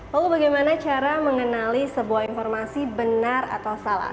lalu bagaimana cara mengenali sebuah informasi benar atau salah